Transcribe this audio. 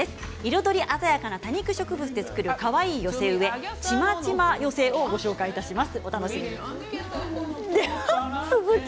彩り鮮やかな多肉植物で作るかわいい寄せ植えちまちま寄せをご紹介します。